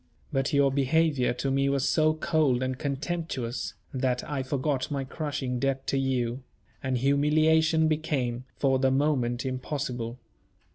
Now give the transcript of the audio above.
But your behaviour to me was so cold and contemptuous, that I forgot my crushing debt to you; and humiliation became, for the moment, impossible.